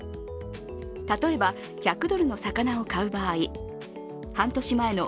例えば１００ドルの魚を飼う場合、半年前の